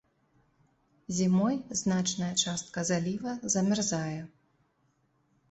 Зімой значная частка заліва замярзае.